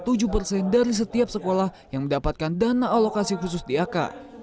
tujuh persen dari setiap sekolah yang mendapatkan dana alokasi khusus dak